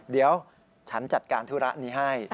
เดี๋ยวฉันจัดการธุระนี้ให้